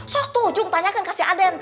sok tujung tanya kan kasi aden